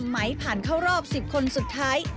ไหมผ่านเข้ารอบ๑๐คนสุดท้าย